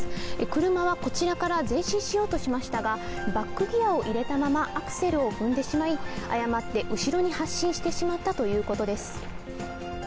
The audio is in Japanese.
車はこちらから前進しようとしましたが、バックギアを入れたままアクセルを踏んでしまい、誤って後ろに発進してしまったということです。